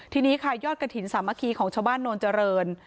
ทีนี้ค่ะยอดกระถิ่นสามัคคีของชาวบ้านโนนเจริญ